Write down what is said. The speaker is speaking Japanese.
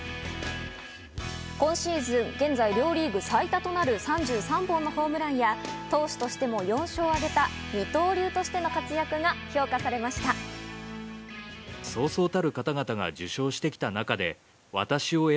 今シーズン現在、両リーグ最多となる３３本のホームランや、投手としても４勝を挙げた二刀流としての活躍が評価されました。